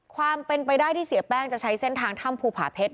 ความเป็นไปได้ที่เสียแป้งจะใช้เส้นทางถ้ำภูผาเพชร